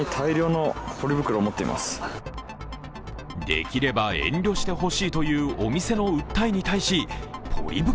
できれば遠慮してほしいというお店の訴えに対しポリ袋